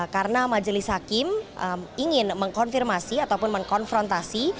karena majelis hakim ingin mengkonfirmasi ataupun mengkonfrontasi